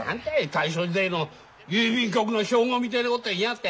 大正時代の郵便局の標語みてえなこと言いやがって。